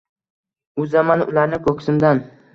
Uzaman ularni ko’ksimdan…